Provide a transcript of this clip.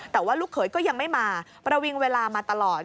แต่ว่าลูกเขยก็ยังไม่มาประวิงเวลามาตลอด